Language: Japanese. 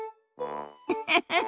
ウフフフ。